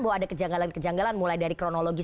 bahwa ada kejanggalan kejanggalan mulai dari kronologis